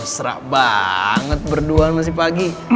mesra banget berduaan masih pagi